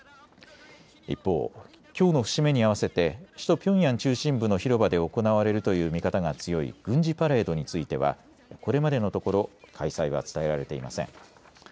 一方、きょうの節目に合わせて首都ピョンヤン中心部の広場で行われるという見方が強い軍事パレードについてはこれまでのところ開催は伝えられていません。